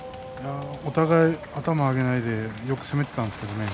お互い頭を上げないでよく攻めてたんですがね。